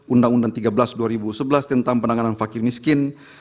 undang undang tiga belas dua ribu sebelas tentang penanganan fakir miskin